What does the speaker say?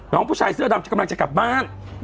ผู้ชายเสื้อดำกำลังจะกลับบ้าน